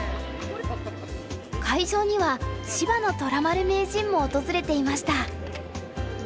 会場には芝野虎丸名人も訪れていました。